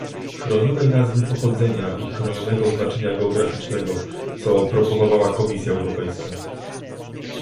chronionej nazwy pochodzenia i chronionego oznaczenia geograficznego, co proponowała Komisja Europejska